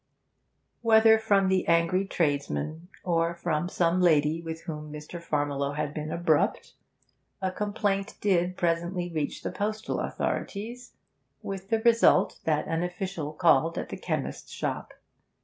Whether from the angry tradesman, or from some lady with whom Mr. Farmiloe had been abrupt, a complaint did presently reach the postal authorities, with the result that an official called at the chemist's shop.